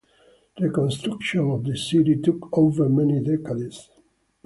Reconstruction of the city took over many decades.